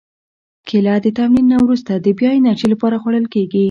کېله د تمرین نه وروسته د بیا انرژي لپاره خوړل کېږي.